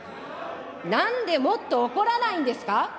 なんでもっと怒らないんですか。